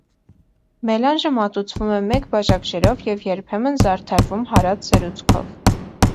Մելանժը մատուցվում է մեկ բաժակ ջրով և երբեմն զարդարվում հարած սերուցքով։